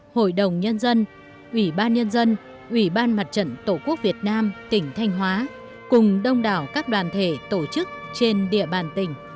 hội đồng nhân dân ủy ban nhân dân ủy ban mặt trận tổ quốc việt nam tỉnh thanh hóa cùng đông đảo các đoàn thể tổ chức trên địa bàn tỉnh